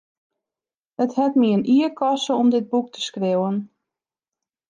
It hat my in jier koste om dit boek te skriuwen.